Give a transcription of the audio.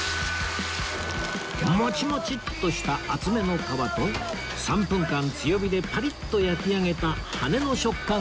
もちもちっとした厚めの皮と３分間強火でパリッと焼きあげた羽根の食感が大人気！